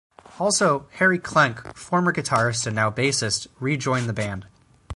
Also, Harry Klenk, former guitarist and now bassist, re-joined the band.